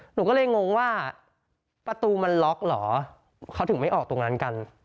หนูก็เลยงงว่าประตูมันล็อกเหรอเขาถึงไม่ออกตรงนั้นกัน